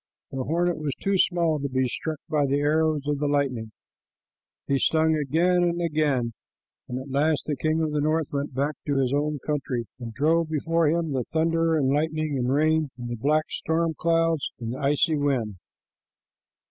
The hornet was too small to be struck by the arrows of the lightning. He stung again and again, and at last the king of the north went back to his own country, and drove before him the thunder and lightning and rain and the black storm clouds and the icy wind.